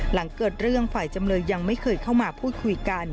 หลังเกิดเรื่องฝ่ายจำเลยยังไม่เคยเข้ามาพูดคุยกัน